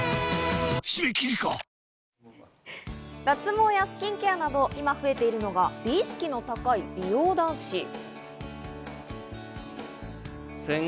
脱毛やスキンケアなど今、増えているのが、美意識の高い美容男子。